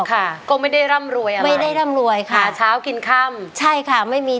ป้าเอาไหมเห็นใจดี